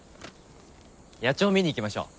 野鳥見に行きましょう！